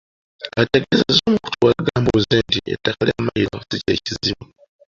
Ategeezezza omukutu gwa Gambuuze nti ettaka lya mayiro si kye kizibu.